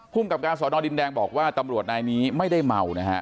กับการสอนอดินแดงบอกว่าตำรวจนายนี้ไม่ได้เมานะฮะ